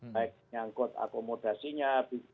baik nyangkut akomodasinya